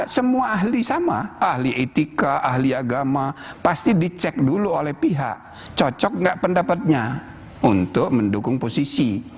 semua ahli sama ahli etika ahli agama pasti dicek dulu oleh pihak cocok nggak pendapatnya untuk mendukung posisi